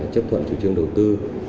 chấp thuận chủ trương đầu tư